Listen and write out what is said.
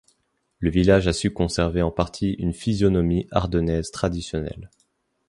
Le village a su conserver en partie une physionomie ardennaise traditionnelle.